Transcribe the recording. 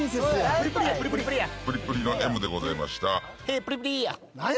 プリプリの『Ｍ』でございました。